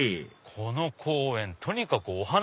この公園とにかくお花